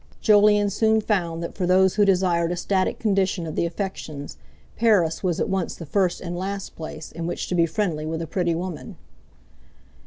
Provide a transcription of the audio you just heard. Jolyon soon found that for those who desired a static condition of the affections, Paris was at once the first and last place in which to be friendly with a pretty woman.